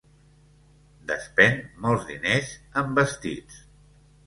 Despèn molts diners en vestits.